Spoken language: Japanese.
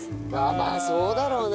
まあそうだろうな。